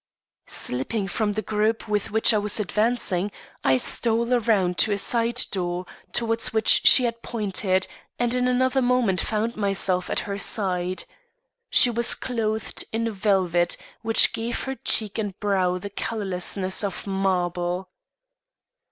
Slipping from the group with which I was advancing, I stole around to a side door towards which she had pointed, and in another moment found myself at her side. She was clothed in velvet, which gave to her cheek and brow the colorlessness of marble.